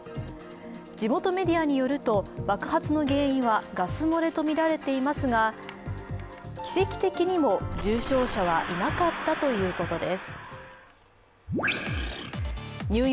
地元メディアによると、爆発の原因はガス漏れとみられていますが奇跡的にも、重傷者はいなかったということです。